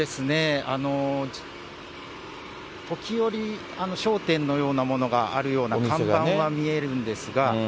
時折、商店のようなものがあるような看板は見えるんですが。